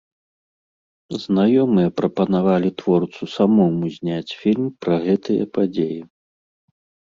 Знаёмыя прапанавалі творцу самому зняць фільм пра гэтыя падзеі.